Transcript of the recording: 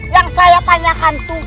yang saya tanyakan tuh